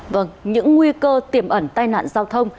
vâng những nguy cơ tiềm ẩn tai nạn giao thông